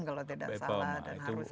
kalau tidak salah